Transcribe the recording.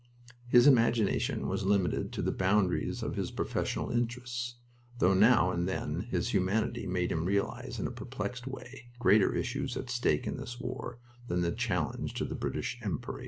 His imagination was limited to the boundaries of his professional interests, though now and then his humanity made him realize in a perplexed way greater issues at stake in this war than the challenge to British Empiry.